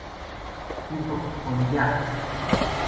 Junto con Ya.